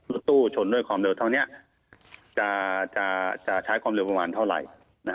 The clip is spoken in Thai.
รถตู้ชนด้วยความเร็วเท่านี้จะใช้ความเร็วประมาณเท่าไหร่